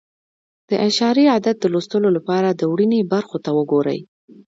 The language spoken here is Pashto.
د اعشاري عدد د لوستلو لپاره د ورنيې برخو ته وګورئ.